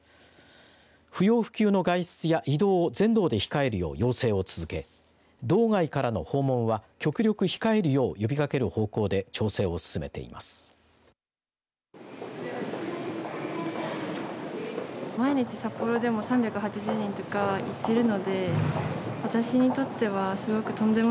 不要不急の外出や移動を全道で控えるよう要請を続け道外からの訪問は極力控えるよう呼びかける方向で調整を進めています。